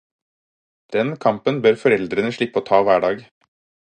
Den kampen bør foreldrene slippe å ta hver dag.